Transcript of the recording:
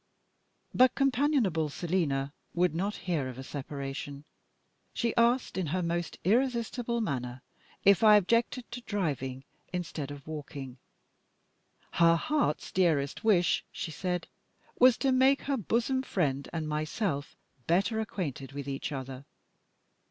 But companionable Selina would not hear of a separation. She asked, in her most irresistible manner, if I objected to driving instead of walking. Her heart's dearest wish, she said, was to make her bosom friend and myself better acquainted with each other.